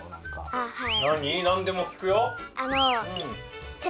ああはい。